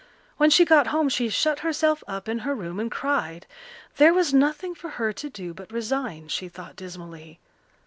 When she got home she shut herself up in her room and cried. There was nothing for her to do but resign, she thought dismally.